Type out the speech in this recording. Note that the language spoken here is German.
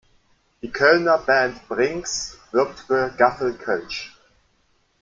Die Kölner Band Brings wirbt für "Gaffel Kölsch".